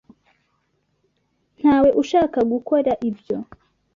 Ntawe ushaka gukora ibyo.